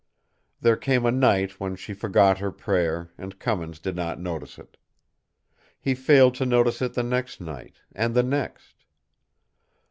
There came a night when she forgot her prayer, and Cummins did not notice it. He failed to notice it the next night, and the next.